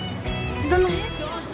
どの辺？